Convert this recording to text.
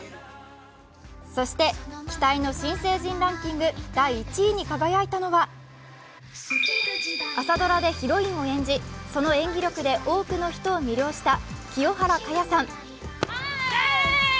そして、期待の新成人ランキング第１位に輝いたのは朝ドラヒロインを演じ、その演技力で多くの人を魅了した清原果耶さん。